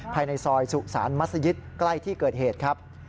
ภายในซอยสุสานมัศยิตใกล้ที่เกิดเหตุครับ